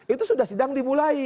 itu sudah sidang dimulai